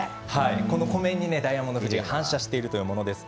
湖面にダイヤモンド富士が反射しているというものです。